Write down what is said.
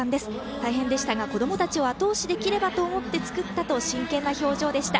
大変でしたが、子どもたちをあと押しできればと思い作ったと真剣な表情でした。